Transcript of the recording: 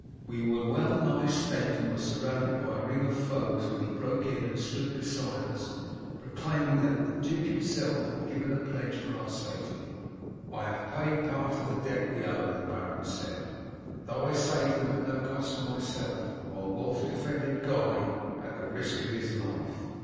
We were well nigh spent, and were surrounded by a ring of foes when he broke in and stood beside us proclaiming that the duke himself had given a pledge for our safety." "I have paid part of the debt we owe," the baron said, "though I saved them at no cost to myself, while Wulf defended Guy at the risk of his life."